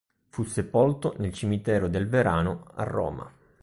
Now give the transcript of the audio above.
Fu sepolto nel cimitero del Verano a Roma.